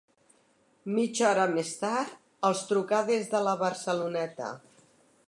Mitja hora més tard, els truca des de la Barceloneta.